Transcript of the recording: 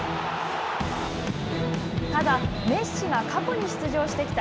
ただ、メッシが過去に出場してきた